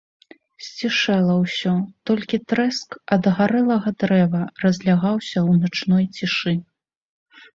Сцішэла ўсё, толькі трэск ад гарэлага дрэва разлягаўся ў начной цішы.